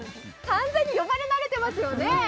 完全に呼ばれ慣れていますよね。